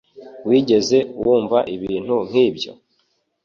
Wigeze wumva ibintu nk'ibyo